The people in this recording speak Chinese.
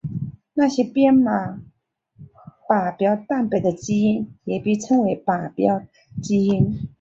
那些编码靶标蛋白的基因也被称为靶标基因。